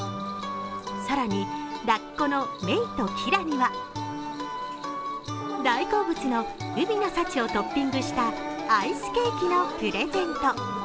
更にラッコのメイとキラには大好物の海の幸をトッピングしたアイスケーキのプレゼント。